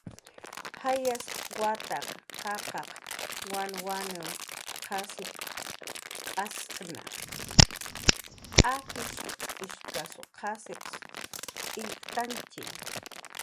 Jayas wataq qaqaq wanwanw qasipcx'askna, akishq ishkasw qasip illktantxi